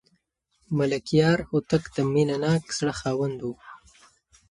ملکیار هوتک د مینه ناک زړه خاوند و.